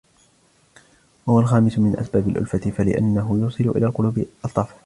وَهُوَ الْخَامِسُ مِنْ أَسْبَابِ الْأُلْفَةِ فَلِأَنَّهُ يُوصِلُ إلَى الْقُلُوبِ أَلْطَافًا